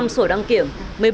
năm sổ đăng kiểm